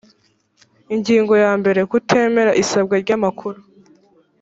ingingo ya mbere kutemera isabwa ry amakuru